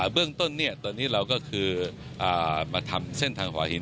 เบื้องต้นตอนนี้เราก็คือมาทำเส้นทางหอหิน